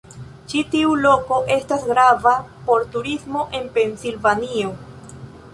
Ĉi tiu loko estas grava por turismo en Pensilvanio.